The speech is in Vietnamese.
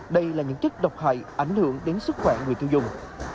đây là những chất độc hại ảnh hưởng đến sức khỏe người tiêu dùng